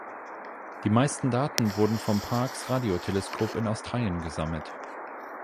Die meisten Daten wurden vom Parkes-Radioteleskop in Australien gesammelt.